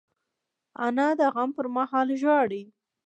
انا د غم پر مهال ژاړي